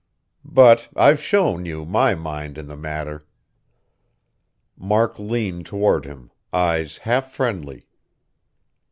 But I've shown you my mind in the matter." Mark leaned toward him, eyes half friendly.